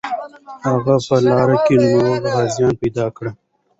هغه په لاره کې نور غازیان پیدا کړل.